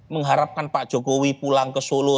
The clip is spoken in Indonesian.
mengharapkan pak jokowi pulang ke solo